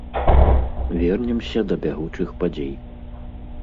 Вернемся да бягучых падзей.